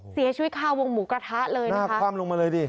เสียชีวิตคาวงหมูกระทะเลยหน้าคว่ำลงมาเลยดิ